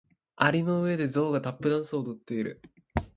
蟻の上でゾウがタップダンスを踊っている。